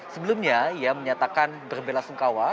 sebelumnya ia menyatakan berbela sungkawa